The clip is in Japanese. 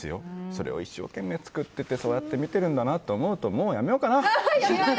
それを一生懸命作っててそうやって見てるんだなと思うともう辞めようかな！